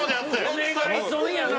お願い損やな。